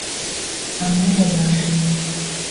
Ameenda baharini